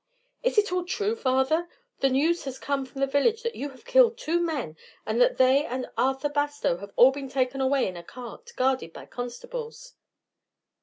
"Is it all true, father? The news has come from the village that you have killed two men, and that they and Arthur Bastow have all been taken away in a cart, guarded by constables."